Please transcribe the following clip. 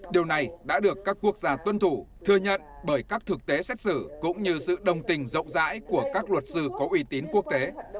điều này đã được các quốc gia tuân thủ thừa nhận bởi các thực tế xét xử cũng như sự đồng tình rộng rãi của các luật sư có uy tín quốc tế